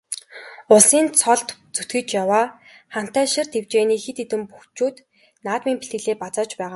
Улсын цолд зүтгэж яваа Хантайшир дэвжээний хэд хэдэн бөхчүүд наадмын бэлтгэлээ базааж байгаа.